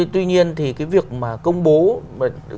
tuy nhiên thì cái việc mà công bố